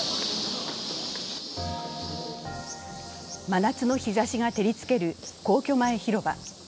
真夏の日ざしが照りつける、皇居前広場。